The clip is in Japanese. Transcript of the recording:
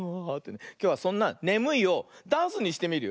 きょうはそんな「ねむい」をダンスにしてみるよ。